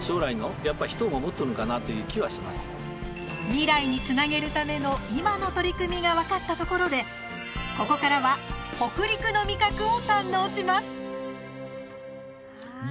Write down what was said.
未来につなげるための今の取り組みが分かったところでここからは、北陸の味覚を堪能します。